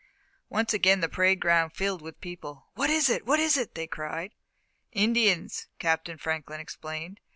Once again the parade ground filled with people. "What is it? What is it?" they cried. "Indians," Captain Franklin explained.